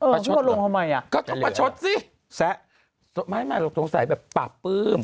ประชดหรือเปล่าประชดสิแซะไม่ตรงใส่แบบปะปื้ม